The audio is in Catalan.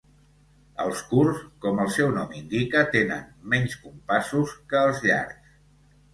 Els curts, com el seu nom indica, tenen menys compassos que els llargs.